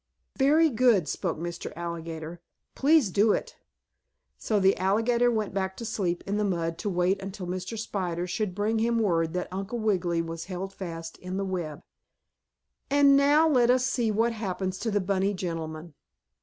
"Very good," spoke Mr. Alligator. "Please do it." So the alligator went back to sleep in the mud to wait until Mr. Spider should bring him word that Uncle Wiggily was held fast in the web. And now let us see what happens to the bunny gentleman.